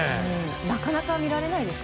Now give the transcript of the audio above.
なかなか見られないですか？